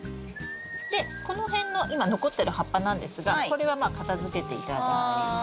でこの辺の今残ってる葉っぱなんですがこれはまあ片づけて頂いて。